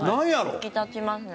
引き立ちますね。